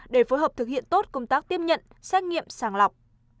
để phối hợp thực hiện tốt công tác tiếp nhận xét nghiệm sàng lọc